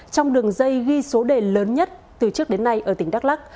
trong đường dây ghi số đề lớn nhất từ trước đến nay ở tỉnh đắk lắc